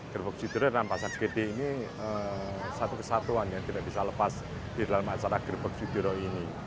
gerbek citiro dan pasar gede ini satu kesatuan yang tidak bisa lepas di dalam acara gerbek sudiro ini